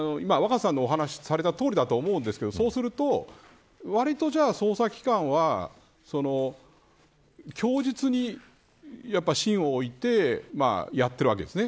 だからそういうことも踏まえると今、若狭さんのお話しされたとおりだと思うんですけどそうすると、わりと捜査機関は供述に芯をおいてやっているわけですね。